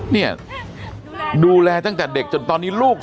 เนี่ยดูแลตั้งแต่เด็กจนตอนนี้ลูก